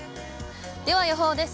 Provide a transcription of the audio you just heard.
では予報です。